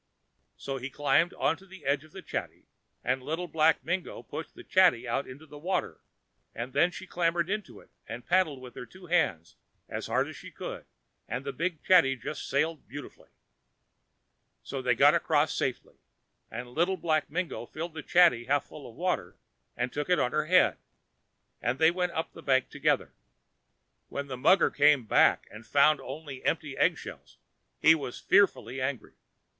So he climbed on to the edge of the chatty, and Little Black Mingo pushed the chatty out into the water, and then she clambered into it and paddled with her two hands as hard as she could, and the big chatty just sailed beautifully. So they got across safely, and Little Black Mingo filled the chatty half full of water and took it on her head, and they went up the bank together. But when the mugger came back, and found only empty egg shells, he was fearfully angry.